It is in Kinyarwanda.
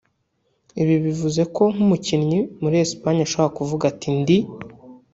Ibi bivuze ko nk’umukinnyi muri Espagne ashobora kuvuga ati ndi